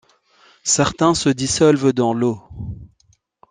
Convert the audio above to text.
Certains se dissolvent dans l'eau.